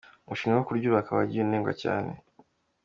Umushinga wo kuryubaka wagiye unengwa cyane.